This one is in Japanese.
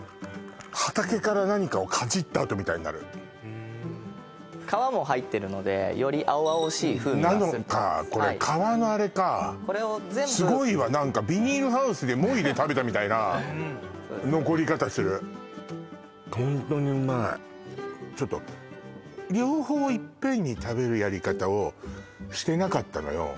なるほど皮も入ってるのでより青々しい風味がするなのかこれ皮のあれかこれを全部すごいわ何かビニールハウスでもいで食べたみたいな残り方するホントにうまいちょっと両方いっぺんに食べるやり方をしてなかったのよ